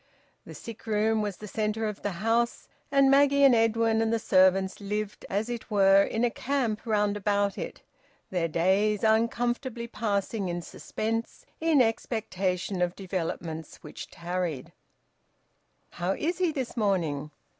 The sick room was the centre of the house, and Maggie and Edwin and the servants lived, as it were, in a camp round about it, their days uncomfortably passing in suspense, in expectation of developments which tarried. "How is he this morning?"